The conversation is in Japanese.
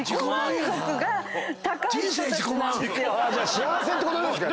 幸せってことなんですかね。